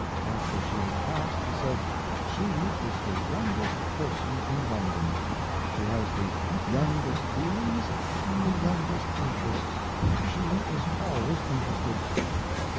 After she had passed... he said, "She is the youngest person in London. She has the youngest feelings and the youngest interests.... She is always interested."